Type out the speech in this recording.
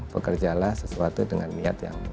pekerjalah sesuatu dengan niat yang baik